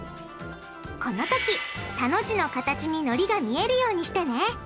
このとき「田」の字の形にのりが見えるようにしてね。